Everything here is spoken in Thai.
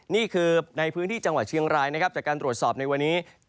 นี่คือในพื้นที่จังหวัดเชียงรายนะครับจากการตรวจสอบในวันนี้